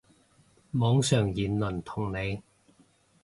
網上言論同理